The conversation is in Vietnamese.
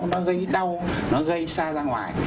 nó gây đau nó gây xa ra ngoài